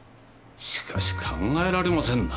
しかし考えられませんな。